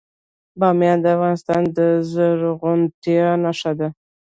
بامیان د افغانستان د زرغونتیا نښه ده.